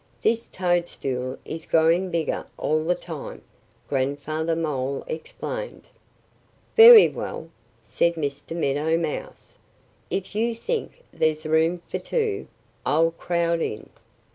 "This toadstool is growing bigger all the time," Grandfather Mole explained. "Very well!" said Mr. Meadow Mouse. "If you think there's room for two, I'll crowd in."